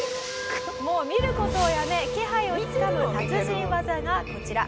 もう見る事をやめ気配をつかむ達人技がこちら。